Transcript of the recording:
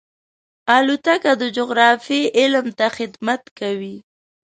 الوتکه د جغرافیې علم ته خدمت کوي.